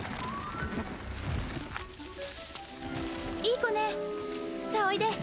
いい子ねさぁおいで！